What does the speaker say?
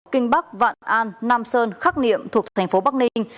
kinh bắc vạn an nam sơn khắc niệm thuộc thành phố bắc ninh